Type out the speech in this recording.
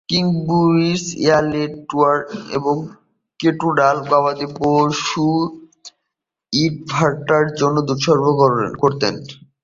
কিববুটজ ইয়াহেল, লোটান এবং কেটুরার গবাদিপশুগুলো ইয়োটভাটার জন্য দুধ সরবরাহ করে।